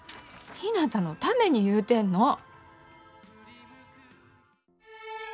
ひなたのために言うてんの。